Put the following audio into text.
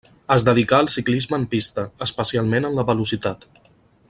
Es dedicà al ciclisme en pista, especialment en la velocitat.